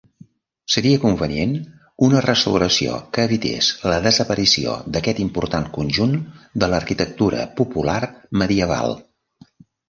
Seria convenient una restauració que evités la desaparició d'aquest important conjunt de l'arquitectura popular medieval.